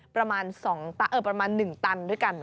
ประมาณ๑ตันด้วยกันอู้วพันกิโลกรัม